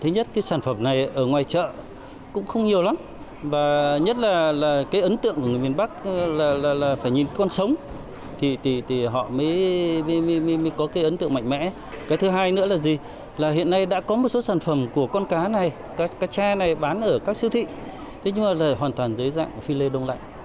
cá tra này bán ở các siêu thị nhưng hoàn toàn dưới dạng phi lê đông lạnh